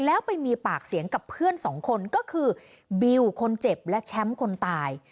แล้วไปมีปากเสียงกับเพื่อนสองคนก็คือบิวคนเจ็บและแชมป์คนตาย